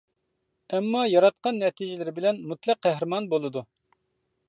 ئەمما ياراتقان نەتىجىلىرى بىلەن مۇتلەق قەھرىمان بولىدۇ.